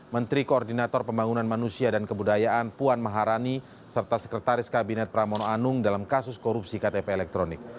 menteri koordinator pembangunan manusia dan kebudayaan puan maharani serta sekretaris kabinet pramono anung dalam kasus korupsi ktp elektronik